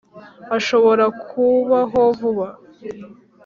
ashobora kubaho vuba.